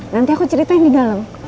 nanti aku ceritain di dalam